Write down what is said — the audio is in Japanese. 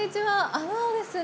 あのですね